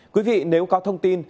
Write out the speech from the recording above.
quý vị nếu có thông tin